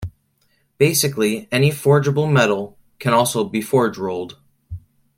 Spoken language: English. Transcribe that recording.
Basically any forgeable metal can also be forge-rolled.